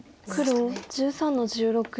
黒１３の十六。